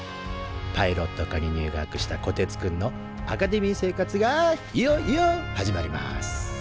パイロット科に入学したこてつくんのアカデミー生活がいよいよ始まります